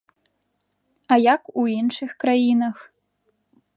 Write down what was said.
А як у іншых краінах?